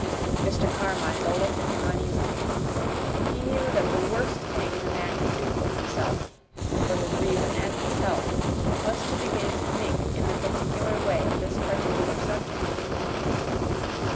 Mr. Carmichael looked at him uneasily. He knew that the worst thing the man could do for himself, for his reason and his health, was to begin to think in the particular way of this particular subject.